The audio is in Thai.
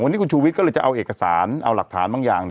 วันนี้คุณชูวิทย์ก็เลยจะเอาเอกสารเอาหลักฐานบางอย่าง